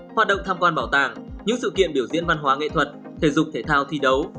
hoạt động tham quan bảo tàng những sự kiện biểu diễn văn hóa nghệ thuật thể dục thể thao thi đấu